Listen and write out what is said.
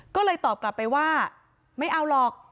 ก็เลยตอบกลับไปว่าไม่เอาหรอก